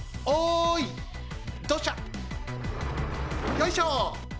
よいしょ！